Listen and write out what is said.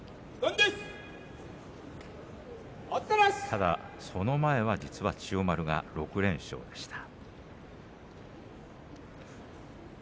ただ、その前は実は、千代丸が６連勝でした。